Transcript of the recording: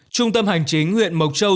trung tâm hành chính huyện mộc châu